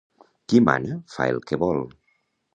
Qui mana fa el que vol.